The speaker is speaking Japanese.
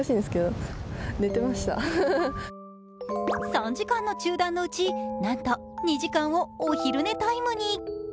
３時間の中断のうちなんと２時間をお昼寝タイムに。